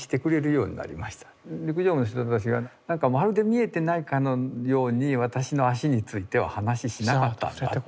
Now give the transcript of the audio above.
陸上部の人たちがまるで見えてないかのように私の足については話しなかったんだって。